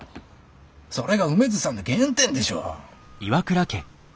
それが梅津さんの原点でしょ？